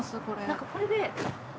何かこれで。